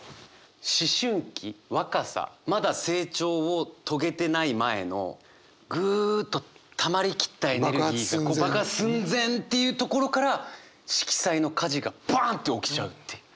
思春期若さまだ成長を遂げてない前のぐっとたまり切ったエネルギーが爆発寸前っていうところから色彩の火事がバンって起きちゃうっていう。